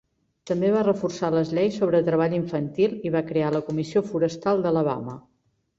També va reforçar les lleis sobre treball infantil i va crear la Comissió Forestal d'Alabama.